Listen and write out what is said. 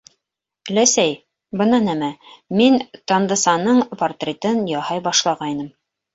Өләсәй, бына нәмә: мин Тандысаның портретын яһай башлағайным.